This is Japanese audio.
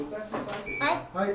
はい。